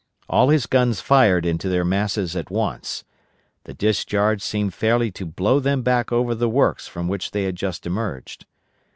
All his guns fired into their masses at once. The discharge seemed fairly to blow them back over the works from which they had just emerged.